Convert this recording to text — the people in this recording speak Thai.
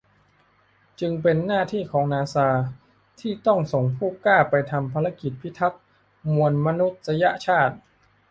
จึงเป็นหน้าที่ของนาซาที่ต้องส่งผู้กล้าไปทำภารกิจพิทักษ์มวลมนุษยชาติ